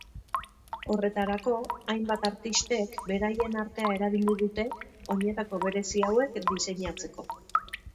Horretarako, hainbat artistek beraien artea erabili dute oinetako berezi hauek diseinatzeko.